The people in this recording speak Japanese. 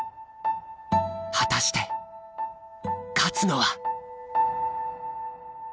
果たして勝つのは？